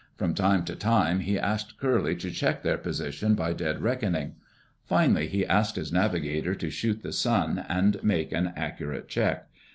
From time to time he asked Curly to check their position by dead reckoning. Finally he asked his navigator to shoot the sun and make an accurate check.